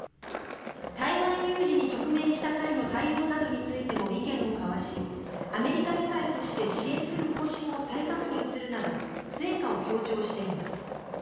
台湾有事に直面した際の対応などについても意見を交わしアメリカ議会として支援する方針を再確認するなど成果を強調しています。